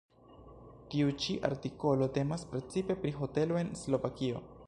Tiu ĉi artikolo temas precipe pri hotelo en Slovakio.